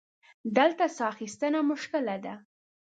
دلته سا اخیستنه مشکله ده.